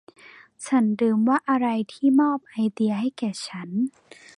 ฉันลืมว่าอะไรที่มอบไอเดียให้แก่ฉัน